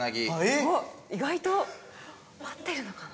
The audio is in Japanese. おっ意外と合ってるのかな？